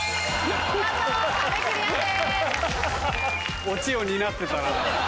見事壁クリアです。